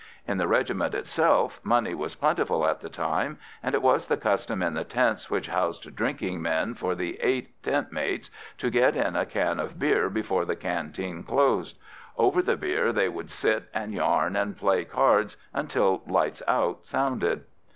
In the regiment itself money was plentiful at the time, and it was the custom in the tents which housed drinking men for the eight tent mates to get in a can of beer before the canteen closed. Over the beer they would sit and yarn and play cards until "lights out" sounded.